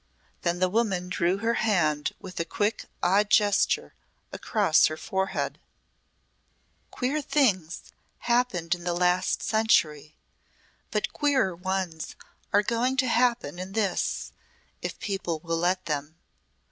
Then the woman drew her hand with a quick odd gesture across her forehead. "Queer things happened in the last century, but queerer ones are going to happen in this if people will let them.